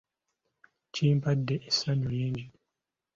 Kimpadde essanyu lingi